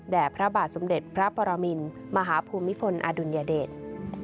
แด่พระบาทสุมเด็จพระปรามิณฑ์มหาภูมิฝนอดุญเดชน์